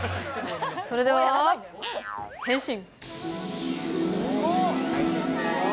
それでは、変身。